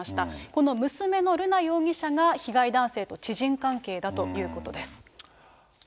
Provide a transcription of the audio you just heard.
この娘の瑠奈容疑者が、被害男性と知人関係だということです。